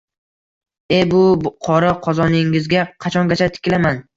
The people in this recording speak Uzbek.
E bu qora qozoningizga qachongacha tikilaman